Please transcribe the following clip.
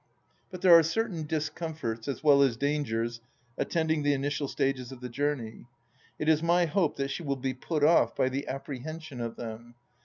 But there are certain discomforts as well as dangers attend ing the initial stages of the journey. It is my hope that she will be put off by the apprehension of them.